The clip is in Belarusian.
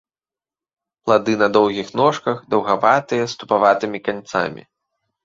Плады на доўгіх ножках, даўгаватыя, з тупаватымі канцамі.